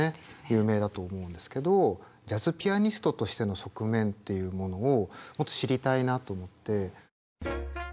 有名だと思うんですけどジャズピアニストとしての側面というものをもっと知りたいなと思って。